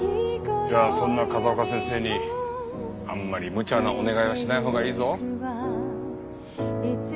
じゃあそんな風丘先生にあんまりむちゃなお願いはしないほうがいいぞ。